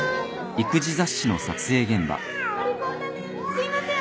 すいません！